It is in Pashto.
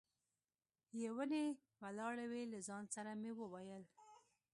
یې ونې ولاړې وې، له ځان سره مې وویل.